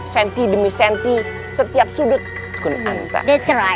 senti demi senti setiap sudut wanita